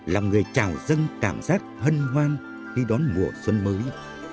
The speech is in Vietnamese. làm người chào dân cảm giác hân hoan khi đón mùa xuân mới